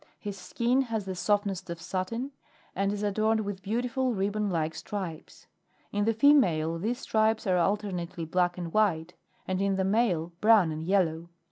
His skin has the softness of satin, and is adorned with beautiful ribbon like stripes. In the female these stripes are alternately black and white ; and in the male, brown and yellow.